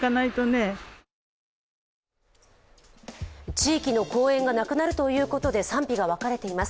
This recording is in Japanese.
地域の公園がなくなるということで賛否が分かれています。